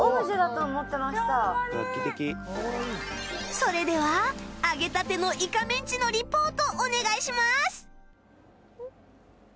それでは揚げたてのいかめんちのリポートお願いします